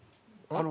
あの。